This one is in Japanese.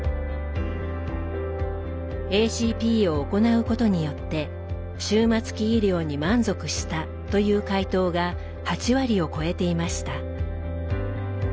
ＡＣＰを行うことによって「終末期医療に満足した」という回答が８割を超えていました。